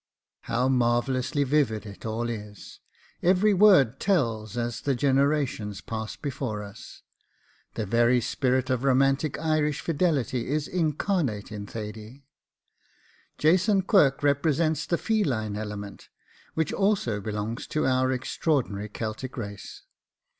How marvellously vivid it all is! every word tells as the generations pass before us. The very spirit of romantic Irish fidelity is incarnate in Thady. Jason Quirk represents the feline element, which also belongs to our extraordinary Celtic race.